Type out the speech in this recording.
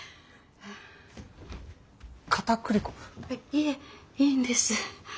いえいいんです。